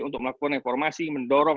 untuk melakukan reformasi mendorong